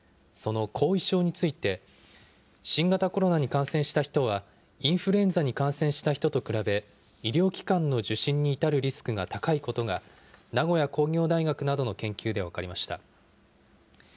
その後遺症について、新型コロナに感染した人は、インフルエンザに感染した人と比べ、医療機関の受診に至るリスクが高いことが、名古屋工業大学などの研究で分かりました。